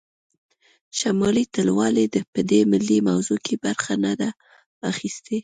شمالي ټلوالې په دې ملي موضوع کې برخه نه ده اخیستې